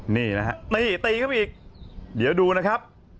นี่นะฮะนี่ตีเข้าไปอีกเดี๋ยวดูนะครับ